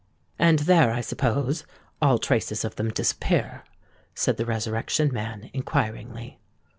"And there, I suppose, all traces of them disappear?" said the Resurrection Man, inquiringly.